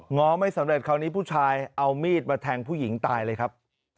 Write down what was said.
้อไม่สำเร็จคราวนี้ผู้ชายเอามีดมาแทงผู้หญิงตายเลยครับ